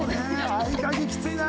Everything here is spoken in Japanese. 合鍵きついな。